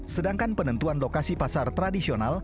sedangkan penentuan lokasi pasar tradisional